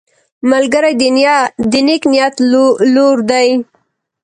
ملګری د نیک نیت لور دی